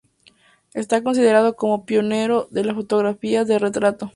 Está considerado como pionero de la fotografía de retrato.